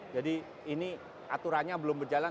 jadi ini aturannya belum berjalan